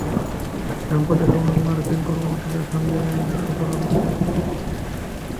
সাম্প্রতিক সময়ে মার্কিন কর্মকর্তাদের সঙ্গে ইরানিদের গোপন আলোচনার কেন্দ্রবিন্দু ছিল দেশটি।